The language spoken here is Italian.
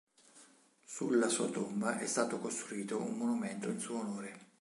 Sulla sua tomba è stato costruito un monumento in suo onore.